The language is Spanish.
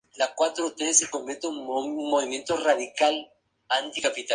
Tomó a su madre y sus seis hermanos y marcharon.